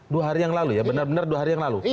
dua hari yang lalu ya benar benar dua hari yang lalu